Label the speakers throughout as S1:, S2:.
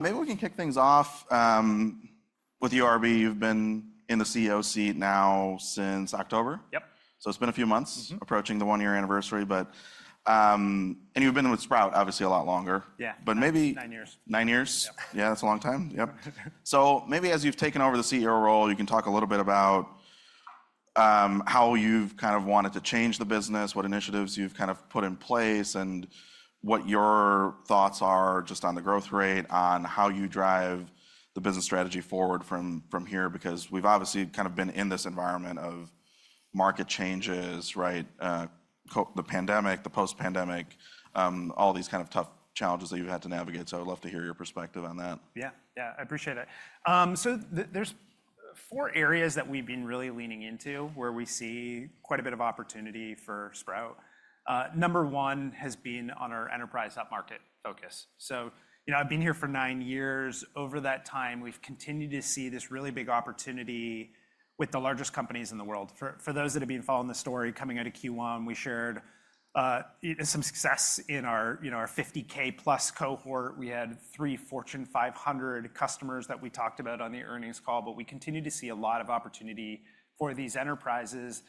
S1: Maybe we can kick things off with you, RB. You've been in the CEO seat now since October.
S2: Yep.
S1: It's been a few months approaching the one-year anniversary, but, and you've been with Sprout, obviously, a lot longer.
S2: Yeah.
S1: But maybe.
S2: Nine years.
S1: Nine years?
S2: Yep.
S1: Yeah, that's a long time. Yep. Maybe as you've taken over the CEO role, you can talk a little bit about how you've kind of wanted to change the business, what initiatives you've kind of put in place, and what your thoughts are just on the growth rate, on how you drive the business strategy forward from here, because we've obviously kind of been in this environment of market changes, right? The pandemic, the post-pandemic, all these kind of tough challenges that you've had to navigate. I'd love to hear your perspective on that.
S2: Yeah. Yeah, I appreciate it. There's four areas that we've been really leaning into where we see quite a bit of opportunity for Sprout. Number one has been on our enterprise upmarket focus. You know, I've been here for nine years. Over that time, we've continued to see this really big opportunity with the largest companies in the world. For those that have been following the story coming out of Q1, we shared some success in our, you know, our +$50,000 cohort. We had three Fortune 500 customers that we talked about on the earnings call, but we continue to see a lot of opportunity for these enterprises that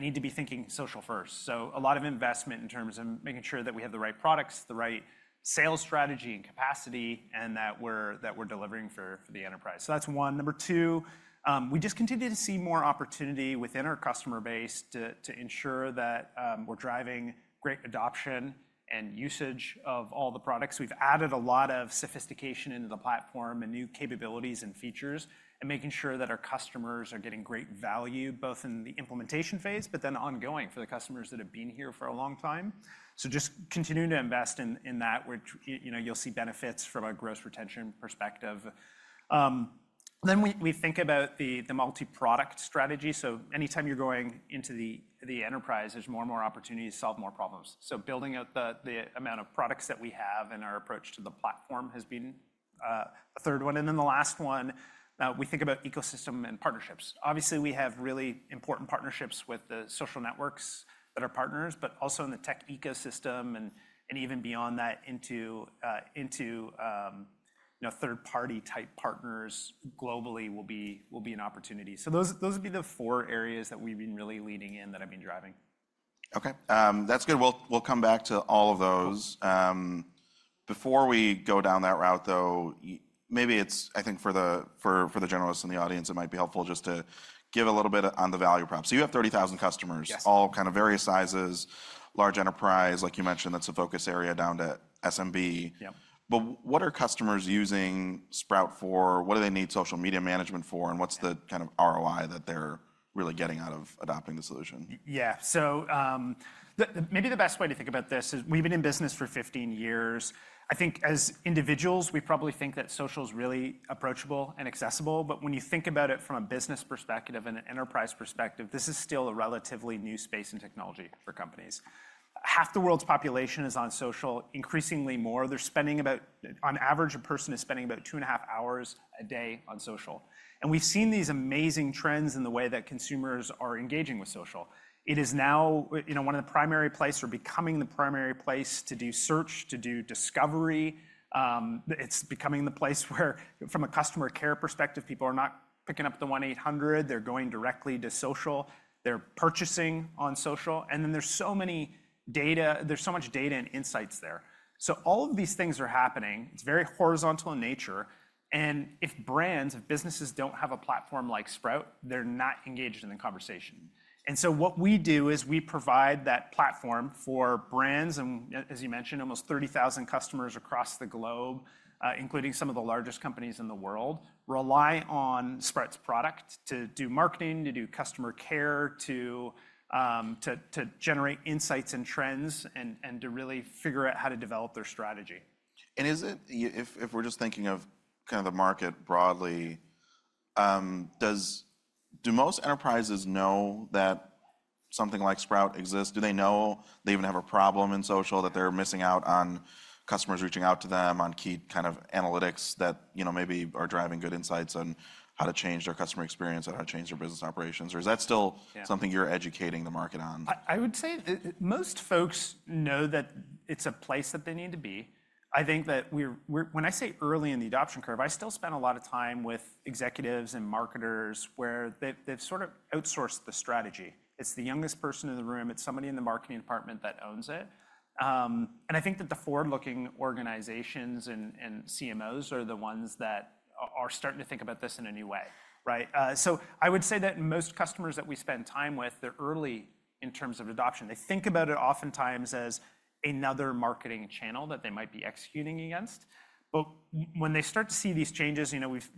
S2: need to be thinking social first. A lot of investment in terms of making sure that we have the right products, the right sales strategy and capacity, and that we're delivering for the enterprise. That's one. Number two, we just continue to see more opportunity within our customer base to ensure that we're driving great adoption and usage of all the products. We've added a lot of sophistication into the platform and new capabilities and features and making sure that our customers are getting great value both in the implementation phase, but then ongoing for the customers that have been here for a long time. Just continuing to invest in that, which, you know, you'll see benefits from a gross retention perspective. Then we think about the multi-product strategy. Anytime you're going into the enterprise, there's more and more opportunities to solve more problems. Building out the amount of products that we have and our approach to the platform has been the third one. The last one, we think about ecosystem and partnerships. Obviously, we have really important partnerships with the social networks that are partners, but also in the tech ecosystem and even beyond that into, you know, third-party-type partners globally will be an opportunity. Those would be the four areas that we've been really leading in that I've been driving.
S1: Okay. That's good. We'll come back to all of those. Before we go down that route, though, maybe it's, I think for the, for the generalists in the audience, it might be helpful just to give a little bit on the value prop. So you have 30,000 customers.
S2: Yes.
S1: All kind of various sizes, large enterprise, like you mentioned, that's a focus area down to SMB.
S2: Yep.
S1: What are customers using Sprout for? What do they need social media management for? What's the kind of ROI that they're really getting out of adopting the solution?
S2: Yeah. The maybe the best way to think about this is we've been in business for 15 years. I think as individuals, we probably think that social's really approachable and accessible. When you think about it from a business perspective and an enterprise perspective, this is still a relatively new space in technology for companies. Half the world's population is on social, increasingly more. They're spending about, on average, a person is spending about two and a half hours a day on social. We've seen these amazing trends in the way that consumers are engaging with social. It is now, you know, one of the primary places or becoming the primary place to do search, to do discovery. It's becoming the place where, from a customer care perspective, people are not picking up the 1-800. They're going directly to social. They're purchasing on social. There is so much data and insights there. All of these things are happening. It is very horizontal in nature. If brands, if businesses do not have a platform like Sprout, they are not engaged in the conversation. What we do is provide that platform for brands. As you mentioned, almost 30,000 customers across the globe, including some of the largest companies in the world, rely on Sprout's product to do marketing, to do customer care, to generate insights and trends, and to really figure out how to develop their strategy.
S1: If we're just thinking of kind of the market broadly, do most enterprises know that something like Sprout exists? Do they know they even have a problem in social, that they're missing out on customers reaching out to them, on key kind of analytics that, you know, maybe are driving good insights on how to change their customer experience, how to change their business operations? Or is that still.
S2: Yeah.
S1: Something you're educating the market on?
S2: I would say most folks know that it's a place that they need to be. I think that we're, when I say early in the adoption curve, I still spend a lot of time with executives and marketers where they've sort of outsourced the strategy. It's the youngest person in the room. It's somebody in the marketing department that owns it. I think that the forward-looking organizations and CMOs are the ones that are starting to think about this in a new way, right? I would say that most customers that we spend time with, they're early in terms of adoption. They think about it oftentimes as another marketing channel that they might be executing against. When they start to see these changes, you know, we've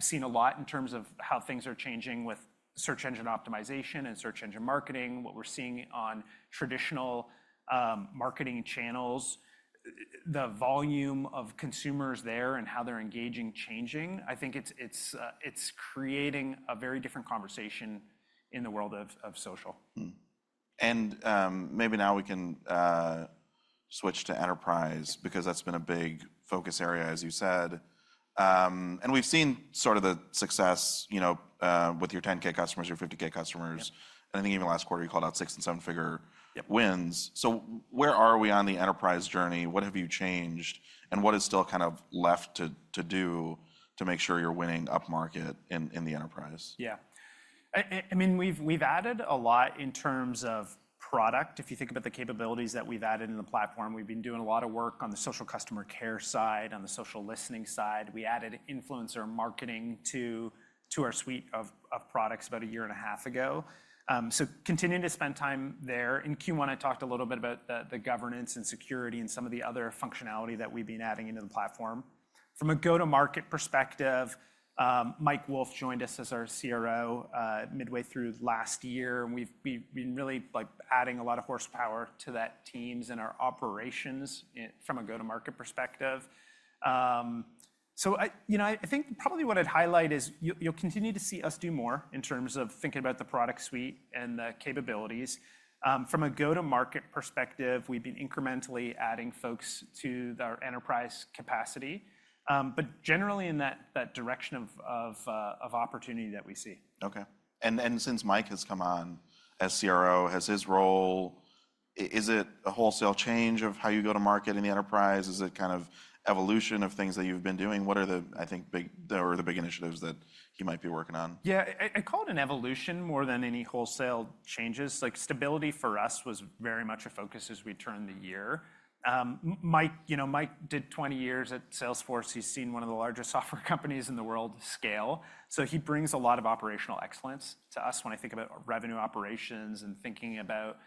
S2: seen a lot in terms of how things are changing with search engine optimization and search engine marketing, what we're seeing on traditional marketing channels, the volume of consumers there and how they're engaging changing. I think it's creating a very different conversation in the world of social.
S1: Maybe now we can switch to enterprise because that's been a big focus area, as you said, and we've seen sort of the success, you know, with your 10K customers, your 50K customers.
S2: Yep.
S1: I think even last quarter you called out six and seven figure.
S2: Yep.
S1: Where are we on the enterprise journey? What have you changed? And what is still kind of left to do to make sure you're winning upmarket in the enterprise?
S2: Yeah. I mean, we've added a lot in terms of product. If you think about the capabilities that we've added in the platform, we've been doing a lot of work on the social customer care side, on the social listening side. We added Influencer Marketing to our suite of products about a year and a half ago, so continuing to spend time there. In Q1, I talked a little bit about the governance and security and some of the other functionality that we've been adding into the platform. From a go-to-market perspective, Mike Wolff joined us as our CRO midway through last year. We've been really, like, adding a lot of horsepower to that team and our operations from a go-to-market perspective. I, you know, I think probably what I'd highlight is you'll continue to see us do more in terms of thinking about the product suite and the capabilities. From a go-to-market perspective, we've been incrementally adding folks to our enterprise capacity, but generally in that direction of opportunity that we see.
S1: Okay. And since Mike has come on as CRO, has his role, is it a wholesale change of how you go to market in the enterprise? Is it kind of evolution of things that you've been doing? What are the, I think, big or the big initiatives that he might be working on?
S2: Yeah. I call it an evolution more than any wholesale changes. Like, stability for us was very much a focus as we turned the year. Mike, you know, Mike did 20 years at Salesforce. He's seen one of the largest software companies in the world scale. So he brings a lot of operational excellence to us when I think about revenue operations and thinking about,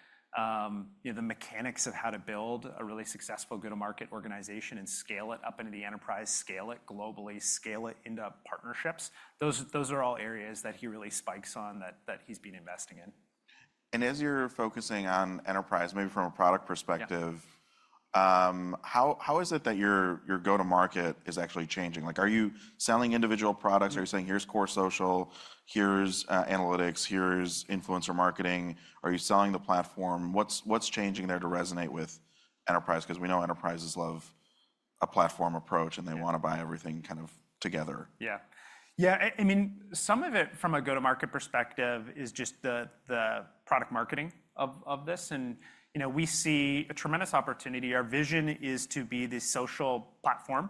S2: you know, the mechanics of how to build a really successful go-to-market organization and scale it up into the enterprise, scale it globally, scale it into partnerships. Those are all areas that he really spikes on that he's been investing in.
S1: As you're focusing on enterprise, maybe from a product perspective.
S2: Yep.
S1: How is it that your go-to-market is actually changing? Like, are you selling individual products? Are you saying, "Here's Core Social, here's analytics, here's Influencer Marketing"? Are you selling the platform? What's changing there to resonate with enterprise? 'Cause we know enterprises love a platform approach and they wanna buy everything kind of together.
S2: Yeah. I mean, some of it from a go-to-market perspective is just the product marketing of this. And, you know, we see a tremendous opportunity. Our vision is to be this social platform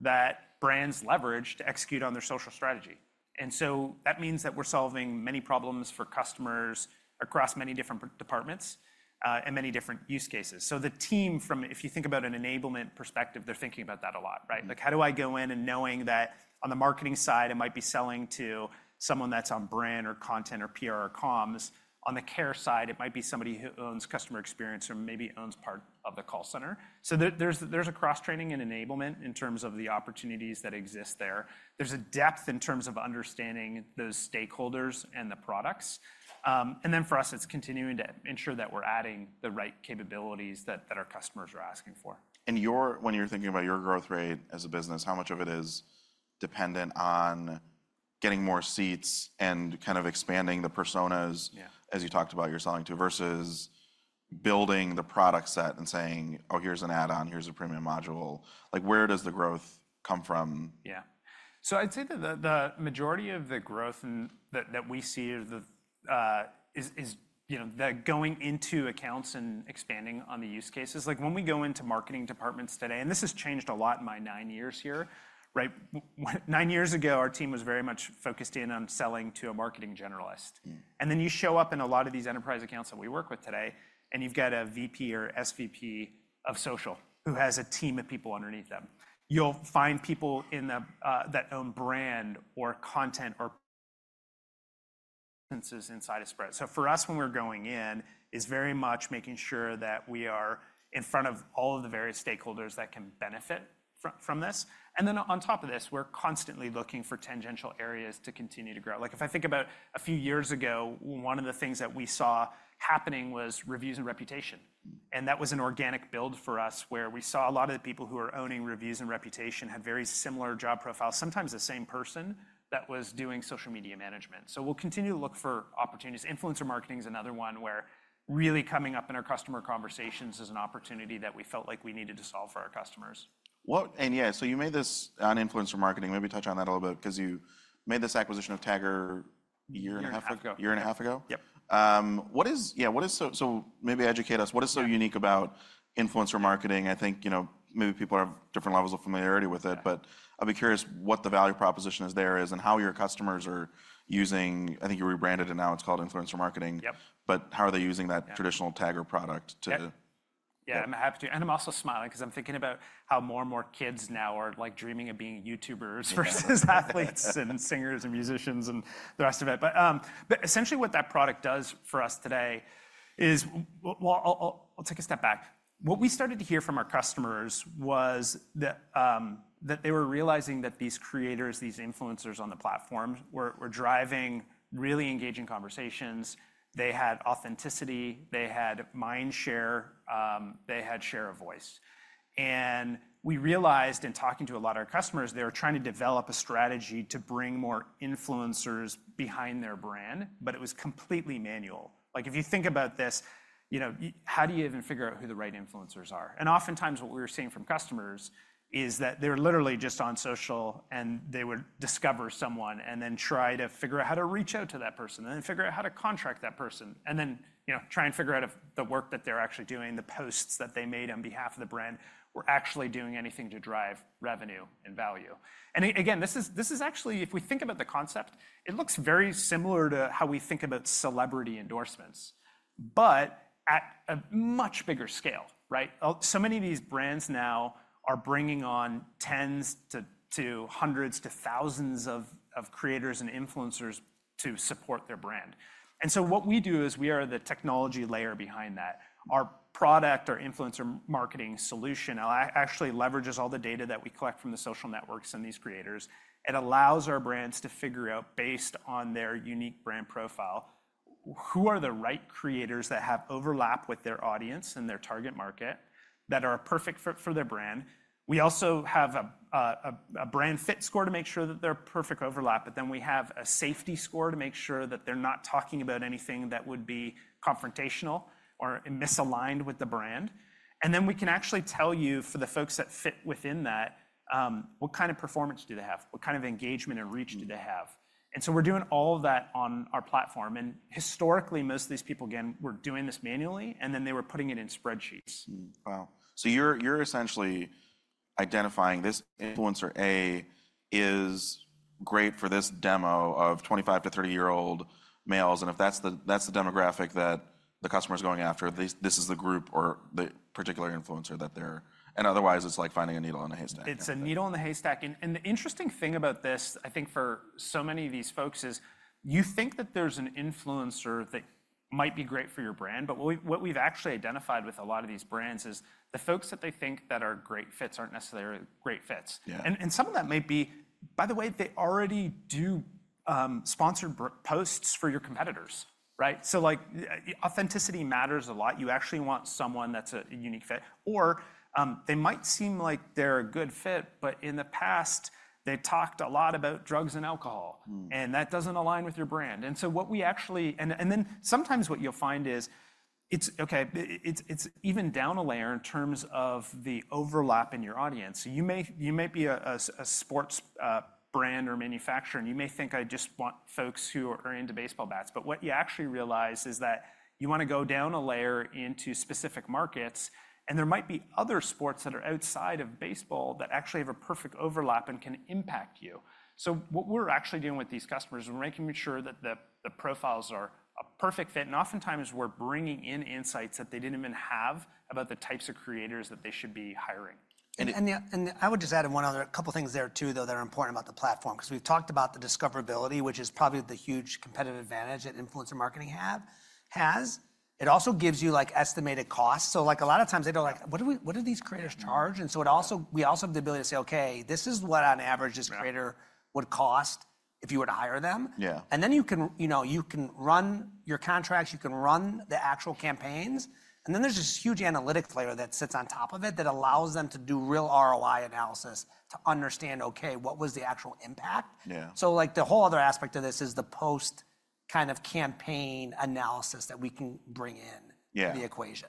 S2: that brands leverage to execute on their social strategy. That means that we're solving many problems for customers across many different departments, and many different use cases. The team from, if you think about an enablement perspective, they're thinking about that a lot, right? Like, how do I go in and knowing that on the marketing side, it might be selling to someone that's on brand or content or PR or comms. On the care side, it might be somebody who owns customer experience or maybe owns part of the call center. There's a cross-training and enablement in terms of the opportunities that exist there. There's a depth in terms of understanding those stakeholders and the products. And then for us, it's continuing to ensure that we're adding the right capabilities that our customers are asking for.
S1: When you're thinking about your growth rate as a business, how much of it is dependent on getting more seats and kind of expanding the personas?
S2: Yeah.
S1: As you talked about you're selling to versus building the product set and saying, "Oh, here's an add-on, here's a premium module." Like, where does the growth come from?
S2: Yeah. I'd say that the majority of the growth that we see is going into accounts and expanding on the use cases. Like, when we go into marketing departments today, and this has changed a lot in my nine years here, right? Nine years ago, our team was very much focused in on selling to a marketing generalist. Then you show up in a lot of these enterprise accounts that we work with today, and you've got a VP or SVP of social who has a team of people underneath them. You'll find people that own brand or content or licenses inside of Sprout. For us, when we're going in, it's very much making sure that we are in front of all of the various stakeholders that can benefit from this. We are constantly looking for tangential areas to continue to grow. Like, if I think about a few years ago, one of the things that we saw happening was reviews and reputation. That was an organic build for us where we saw a lot of the people who are owning reviews and reputation had very similar job profiles, sometimes the same person that was doing social media management. We will continue to look for opportunities. Influencer marketing is another one where really coming up in our customer conversations is an opportunity that we felt like we needed to solve for our customers.
S1: What, and yeah, so you made this on influencer marketing. Maybe touch on that a little bit 'cause you made this acquisition of Tagger a year and a half ago.
S2: A year ago.
S1: Year and a half ago.
S2: Yep.
S1: What is, yeah, what is, so, so maybe educate us, what is so unique about influencer marketing? I think, you know, maybe people have different levels of familiarity with it, but I'll be curious what the value proposition is there and how your customers are using. I think you rebranded it now. It's called Influencer Marketing.
S2: Yep.
S1: How are they using that traditional Tagger product to?
S2: Yeah. Yeah. I'm happy to. I'm also smiling 'cause I'm thinking about how more and more kids now are, like, dreaming of being YouTubers versus athletes and singers and musicians and the rest of it. Essentially what that product does for us today is, well, I'll take a step back. What we started to hear from our customers was that they were realizing that these creators, these influencers on the platform, were driving really engaging conversations. They had authenticity. They had mind share. They had share of voice. We realized in talking to a lot of our customers, they were trying to develop a strategy to bring more influencers behind their brand, but it was completely manual. Like, if you think about this, you know, how do you even figure out who the right influencers are? Oftentimes what we were seeing from customers is that they're literally just on social and they would discover someone and then try to figure out how to reach out to that person and then figure out how to contract that person and then, you know, try and figure out if the work that they're actually doing, the posts that they made on behalf of the brand were actually doing anything to drive revenue and value. This is actually, if we think about the concept, it looks very similar to how we think about celebrity endorsements, but at a much bigger scale, right? Many of these brands now are bringing on tens to hundreds to thousands of creators and influencers to support their brand. What we do is we are the technology layer behind that. Our product, our influencer marketing solution actually leverages all the data that we collect from the social networks and these creators. It allows our brands to figure out, based on their unique brand profile, who are the right creators that have overlap with their audience and their target market that are perfect for their brand. We also have a brand fit score to make sure that they're perfect overlap, but then we have a safety score to make sure that they're not talking about anything that would be confrontational or misaligned with the brand. We can actually tell you for the folks that fit within that, what kind of performance do they have? What kind of engagement and reach do they have? We are doing all of that on our platform. Historically, most of these people, again, were doing this manually, and then they were putting it in spreadsheets.
S1: Wow. You're essentially identifying this influencer A is great for this demo of 25-30 year-old males. If that's the demographic that the customer's going after, this is the group or the particular influencer that they're, and otherwise it's like finding a needle in a haystack.
S2: It's a needle in the haystack. The interesting thing about this, I think for so many of these folks, is you think that there's an influencer that might be great for your brand, but what we've actually identified with a lot of these brands is the folks that they think are great fits aren't necessarily great fits.
S1: Yeah.
S2: Some of that may be, by the way, they already do sponsored posts for your competitors, right? Authenticity matters a lot. You actually want someone that's a unique fit. Or, they might seem like they're a good fit, but in the past they talked a lot about drugs and alcohol. That doesn't align with your brand. What we actually, and then sometimes what you'll find is it's, okay, it's even down a layer in terms of the overlap in your audience. You might be a sports brand or manufacturer, and you may think, "I just want folks who are into baseball bats." What you actually realize is that you wanna go down a layer into specific markets, and there might be other sports that are outside of baseball that actually have a perfect overlap and can impact you. What we're actually doing with these customers is we're making sure that the profiles are a perfect fit. Oftentimes we're bringing in insights that they didn't even have about the types of creators that they should be hiring.
S3: I would just add in one other couple things there too, though, that are important about the platform. 'Cause we've talked about the discoverability, which is probably the huge competitive advantage that influencer marketing has. It also gives you like estimated costs. So like a lot of times they don't like, "What do we, what do these creators charge?" And so we also have the ability to say, "Okay, this is what on average this creator would cost if you were to hire them.
S1: Yeah.
S3: You can, you know, you can run your contracts, you can run the actual campaigns, and then there's this huge analytic layer that sits on top of it that allows them to do real ROI analysis to understand, "Okay, what was the actual impact?
S1: Yeah.
S3: Like the whole other aspect of this is the post kind of campaign analysis that we can bring in.
S1: Yeah.
S3: The equation.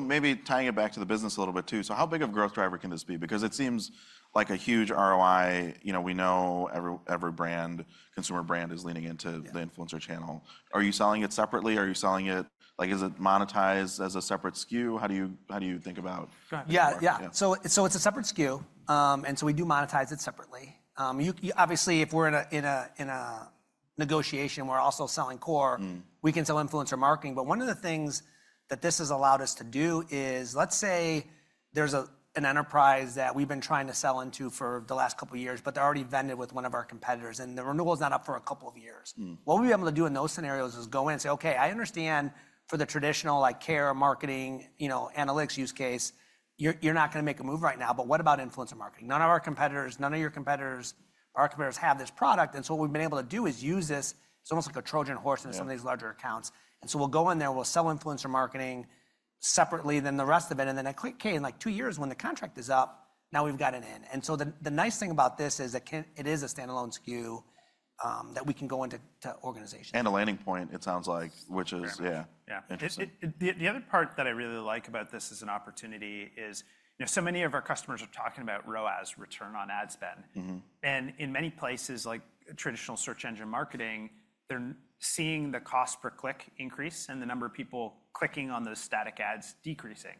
S1: Maybe tying it back to the business a little bit too. How big of a growth driver can this be? Because it seems like a huge ROI, you know, we know every brand, consumer brand is leaning into the influencer channel. Are you selling it separately? Are you selling it, like, is it monetized as a separate SKU? How do you, how do you think about?
S3: Yeah. Yeah. It's a separate SKU, and so we do monetize it separately. You, obviously, if we're in a negotiation, we're also selling core. We can sell influencer marketing. One of the things that this has allowed us to do is, let's say there's an enterprise that we've been trying to sell into for the last couple years, but they're already vended with one of our competitors and the renewal's not up for a couple of years. What we'll be able to do in those scenarios is go in and say, "Okay, I understand for the traditional care, marketing, you know, analytics use case, you're not gonna make a move right now, but what about influencer marketing? None of your competitors, our competitors have this product." What we've been able to do is use this. It's almost like a Trojan horse in some of these larger accounts. We'll go in there, we'll sell Influencer Marketing separately than the rest of it. At click K, in like two years when the contract is up, now we've got an in. The nice thing about this is it is a standalone SKU that we can go into organizations.
S1: A landing point, it sounds like, which is, yeah.
S2: Yeah. Yeah.
S1: Interesting.
S2: The other part that I really like about this as an opportunity is, you know, so many of our customers are talking about ROAS, return on ad spend.
S1: Mm-hmm.
S2: In many places, like traditional search engine marketing, they're seeing the cost per click increase and the number of people clicking on those static ads decreasing.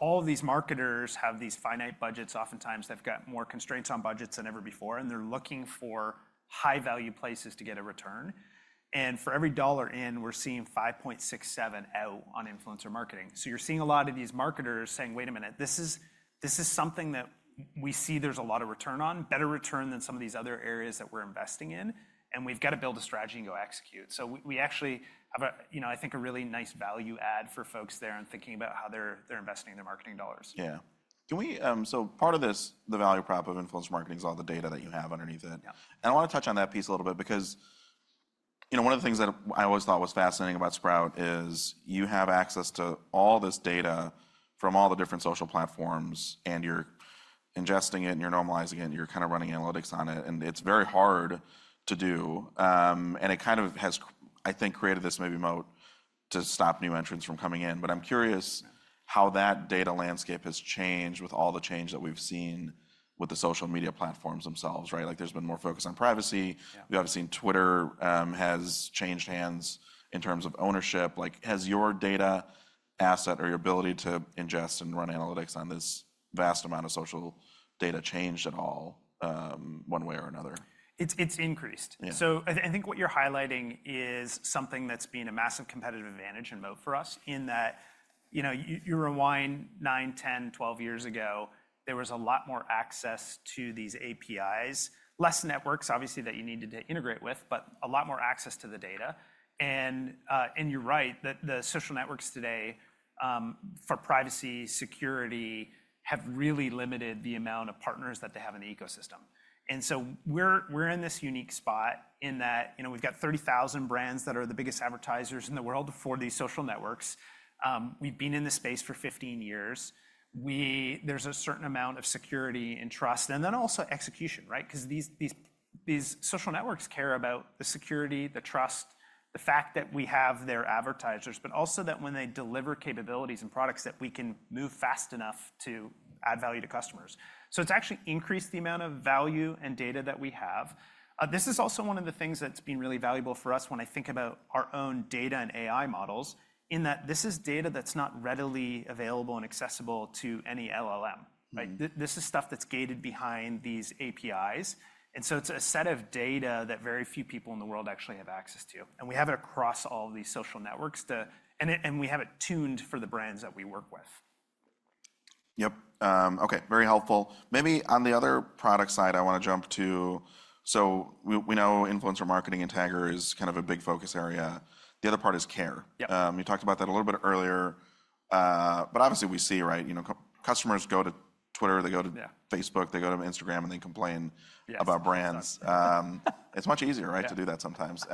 S2: All of these marketers have these finite budgets. Oftentimes they've got more constraints on budgets than ever before, and they're looking for high value places to get a return. For every dollar in, we're seeing $5.67 out on influencer marketing. You're seeing a lot of these marketers saying, "Wait a minute, this is, this is something that we see there's a lot of return on, better return than some of these other areas that we're investing in, and we've gotta build a strategy and go execute." We actually have a, you know, I think a really nice value add for folks there and thinking about how they're, they're investing their marketing dollars.
S1: Yeah. Can we, so part of this, the value prop of Influencer Marketing is all the data that you have underneath it.
S2: Yeah.
S1: I wanna touch on that piece a little bit because, you know, one of the things that I always thought was fascinating about Sprout is you have access to all this data from all the different social platforms and you're ingesting it and you're normalizing it and you're kind of running analytics on it. It's very hard to do. It kind of has, I think, created this maybe moat to stop new entrants from coming in. I'm curious how that data landscape has changed with all the change that we've seen with the social media platforms themselves, right? Like there's been more focus on privacy.
S2: Yeah.
S1: We obviously seen Twitter has changed hands in terms of ownership. Like, has your data asset or your ability to ingest and run analytics on this vast amount of social data changed at all, one way or another?
S2: It's increased.
S1: Yeah.
S2: I think what you're highlighting is something that's been a massive competitive advantage and moat for us in that, you know, you rewind 9, 10, 12 years ago, there was a lot more access to these APIs, less networks obviously that you needed to integrate with, but a lot more access to the data. You're right that the social networks today, for privacy security, have really limited the amount of partners that they have in the ecosystem. We're in this unique spot in that, you know, we've got 30,000 brands that are the biggest advertisers in the world for these social networks. We've been in this space for 15 years. There's a certain amount of security and trust and then also execution, right? 'Cause these social networks care about the security, the trust, the fact that we have their advertisers, but also that when they deliver capabilities and products that we can move fast enough to add value to customers. It's actually increased the amount of value and data that we have. This is also one of the things that's been really valuable for us when I think about our own data and AI models in that this is data that's not readily available and accessible to any LLM. Right? This is stuff that's gated behind these APIs. It's a set of data that very few people in the world actually have access to. We have it across all of these social networks, and we have it tuned for the brands that we work with.
S1: Yep. Okay. Very helpful. Maybe on the other product side, I wanna jump to, so we know Influencer Marketing and Tagger is kind of a big focus area. The other part is care.
S2: Yep.
S1: You talked about that a little bit earlier. Obviously, we see, right? You know, customers go to Twitter, they go to.
S2: Yeah.
S1: Facebook, they go to Instagram and they complain.
S2: Yes.
S1: About brands. It's much easier, right, to do that sometimes.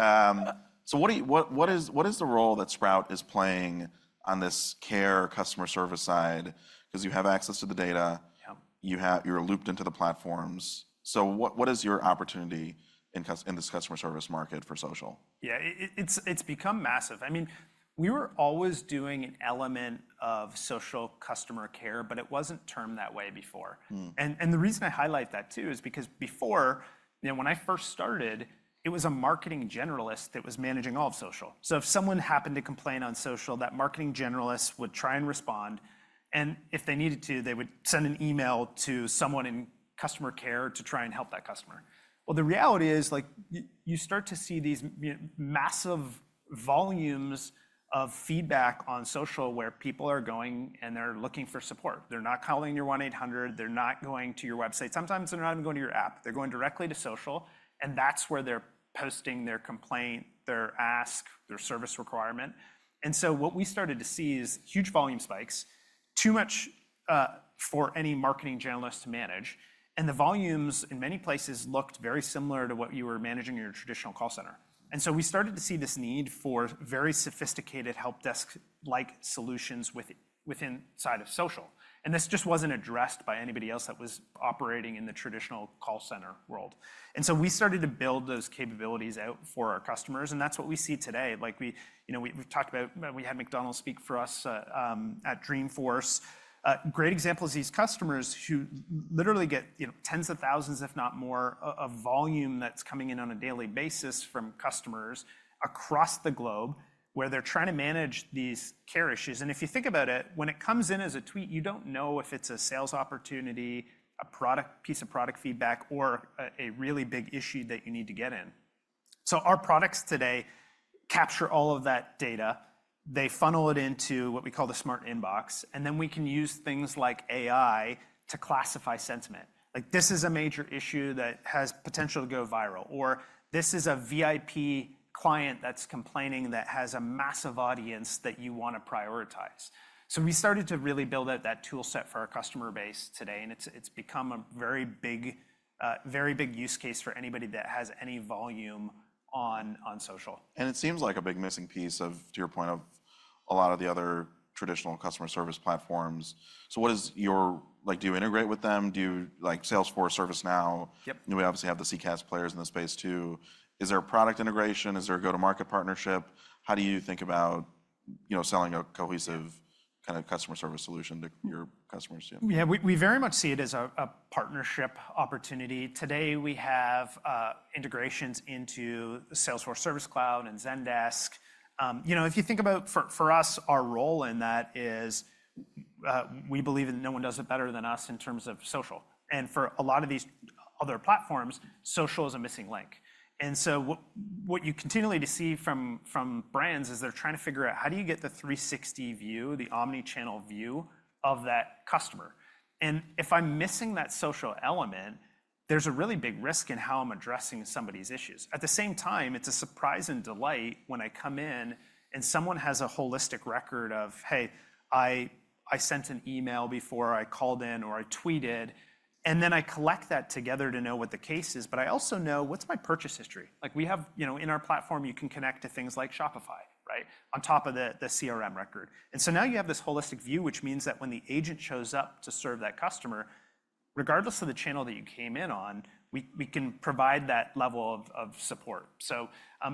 S1: What is the role that Sprout is playing on this care customer service side? 'Cause you have access to the data.
S2: Yeah.
S1: You have, you're looped into the platforms. What is your opportunity in this customer service market for social?
S2: Yeah. It's become massive. I mean, we were always doing an element of social customer care, but it wasn't termed that way before. The reason I highlight that too is because before, you know, when I first started, it was a marketing generalist that was managing all of social. If someone happened to complain on social, that marketing generalist would try and respond. If they needed to, they would send an email to someone in customer care to try and help that customer. The reality is, like, you start to see these, you know, massive volumes of feedback on social where people are going and they're looking for support. They're not calling your 1-800, they're not going to your website. Sometimes they're not even going to your app, they're going directly to social, and that's where they're posting their complaint, their ask, their service requirement. What we started to see is huge volume spikes, too much for any marketing generalist to manage. The volumes in many places looked very similar to what you were managing in your traditional call center. We started to see this need for very sophisticated help desk-like solutions inside of social. This just wasn't addressed by anybody else that was operating in the traditional call center world. We started to build those capabilities out for our customers. That's what we see today. Like we, you know, we've talked about, we had McDonald's speak for us at Dreamforce. great example is these customers who literally get, you know, tens of thousands, if not more, of volume that's coming in on a daily basis from customers across the globe where they're trying to manage these care issues. If you think about it, when it comes in as a tweet, you don't know if it's a sales opportunity, a piece of product feedback, or a really big issue that you need to get in. Our products today capture all of that data. They funnel it into what we call the Smart Inbox, and then we can use things like AI to classify sentiment. Like, this is a major issue that has potential to go viral, or this is a VIP client that's complaining that has a massive audience that you wanna prioritize. We started to really build out that toolset for our customer base today, and it's become a very big, very big use case for anybody that has any volume on social.
S1: It seems like a big missing piece of, to your point, of a lot of the other traditional customer service platforms. What is your, like, do you integrate with them? Do you, like, Salesforce, ServiceNow?
S2: Yep.
S1: We obviously have the CCaaS players in the space too. Is there a product integration? Is there a go-to-market partnership? How do you think about, you know, selling a cohesive kind of customer service solution to your customers?
S2: Yeah. We very much see it as a partnership opportunity. Today we have integrations into Salesforce Service Cloud and Zendesk. You know, if you think about, for us, our role in that is, we believe that no one does it better than us in terms of social. And for a lot of these other platforms, social is a missing link. What you continually see from brands is they're trying to figure out how do you get the 360 view, the omnichannel view of that customer. If I'm missing that social element, there's a really big risk in how I'm addressing somebody's issues. At the same time, it's a surprise and delight when I come in and someone has a holistic record of, "Hey, I sent an email before, I called in, or I tweeted," and then I collect that together to know what the case is. I also know what's my purchase history. Like we have, you know, in our platform, you can connect to things like Shopify, right, on top of the CRM record. Now you have this holistic view, which means that when the agent shows up to serve that customer, regardless of the channel that you came in on, we can provide that level of support.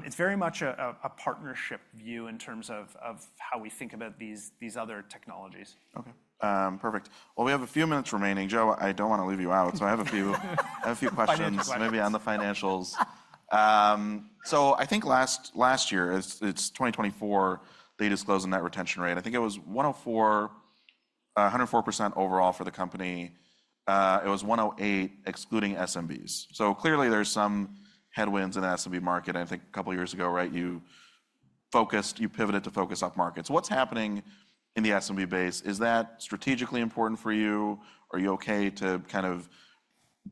S2: It's very much a partnership view in terms of how we think about these other technologies.
S4: Okay. Perfect. We have a few minutes remaining. Joe, I don't wanna leave you out. I have a few questions. Oh, I'm sorry. Maybe on the financials. I think last year, it's 2024, they disclosed the net retention rate. I think it was 104%, 104% overall for the company. It was 108% excluding SMBs. Clearly there's some headwinds in the SMB market. I think a couple years ago, right, you pivoted to focus up markets. What's happening in the SMB base? Is that strategically important for you? Are you okay to kind of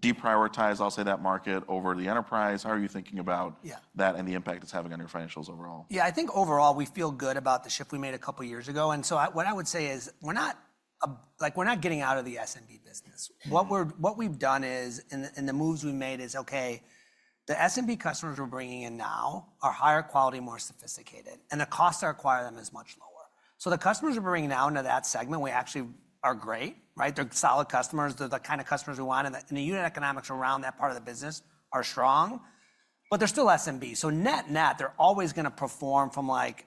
S4: deprioritize, I'll say, that market over the enterprise? How are you thinking about.
S3: Yeah.
S4: That and the impact it's having on your financials overall?
S3: Yeah. I think overall we feel good about the shift we made a couple years ago. I, what I would say is we're not a, like, we're not getting out of the SMB business. What we've done is, and the moves we made is, okay, the SMB customers we're bringing in now are higher quality, more sophisticated, and the costs that require them is much lower. The customers we're bringing now into that segment, we actually are great, right? They're solid customers. They're the kind of customers we want. The unit economics around that part of the business are strong, but they're still SMB. Net-net, they're always gonna perform from, like,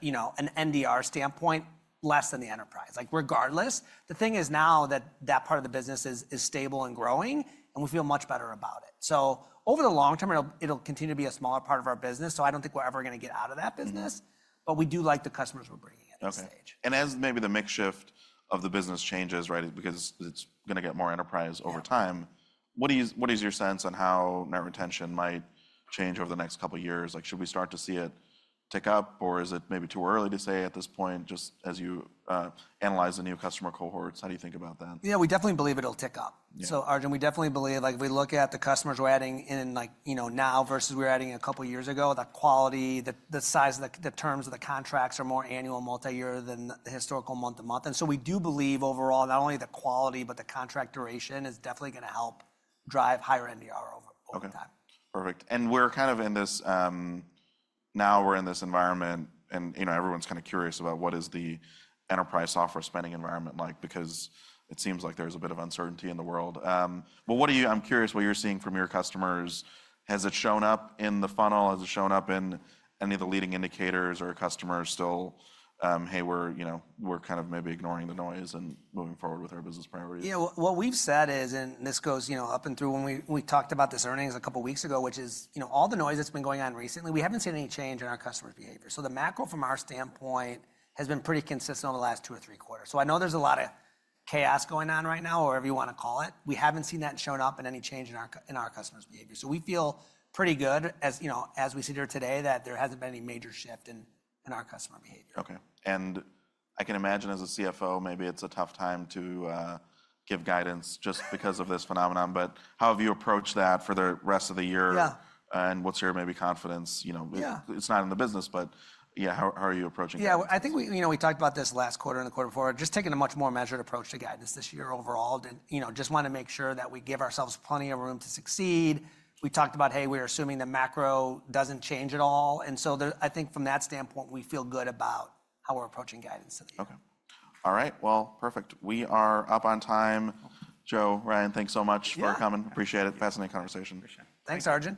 S3: you know, an NDR standpoint, less than the enterprise. Like, regardless, the thing is now that part of the business is stable and growing, and we feel much better about it. Over the long term, it'll continue to be a smaller part of our business. I don't think we're ever gonna get out of that business. We do like the customers we're bringing in at this stage.
S1: Okay. As maybe the makeshift of the business changes, right, because it's gonna get more enterprise over time, what do you, what is your sense on how net retention might change over the next couple years? Like, should we start to see it tick up, or is it maybe too early to say at this point, just as you analyze the new customer cohorts? How do you think about that?
S3: Yeah. We definitely believe it'll tick up.
S4: Yeah.
S3: Arjun, we definitely believe, like, if we look at the customers we're adding in, like, you know, now versus we were adding a couple years ago, the quality, the size of the, the terms of the contracts are more annual, multi-year than the historical month-to-month. We do believe overall, not only the quality, but the contract duration is definitely gonna help drive higher NDR over time.
S4: Okay. Perfect. And we're kind of in this, now we're in this environment, and, you know, everyone's kind of curious about what is the enterprise software spending environment like because it seems like there's a bit of uncertainty in the world. What are you, I'm curious what you're seeing from your customers. Has it shown up in the funnel? Has it shown up in any of the leading indicators or are customers still, "Hey, we're, you know, we're kind of maybe ignoring the noise and moving forward with our business priorities"?
S3: Yeah. What we've said is, and this goes, you know, up and through when we talked about this earnings a couple weeks ago, which is, you know, all the noise that's been going on recently, we haven't seen any change in our customer's behavior. The macro from our standpoint has been pretty consistent over the last two or three quarters. I know there's a lot of chaos going on right now or whatever you wanna call it. We haven't seen that shown up in any change in our customers' behavior. We feel pretty good as, you know, as we sit here today that there hasn't been any major shift in our customer behavior.
S4: Okay. I can imagine as a CFO, maybe it's a tough time to give guidance just because of this phenomenon. How have you approached that for the rest of the year?
S3: Yeah.
S1: and what's your maybe confidence, you know?
S3: Yeah.
S1: It's not in the business, but yeah, how are you approaching that?
S3: Yeah. I think we, you know, we talked about this last quarter and the quarter before, just taking a much more measured approach to guidance this year overall. You know, just wanna make sure that we give ourselves plenty of room to succeed. We talked about, "Hey, we're assuming the macro doesn't change at all." There, I think from that standpoint, we feel good about how we're approaching guidance this year.
S1: Okay. All right. Perfect. We are up on time. Joe, Ryan, thanks so much for coming.
S3: Yeah.
S4: Appreciate it. Fascinating conversation.
S2: Appreciate it.
S3: Thanks, Arjun.